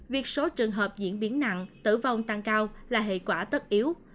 việc số trường hợp diễn biến nặng tử vong tăng cao là hệ quả tất yếu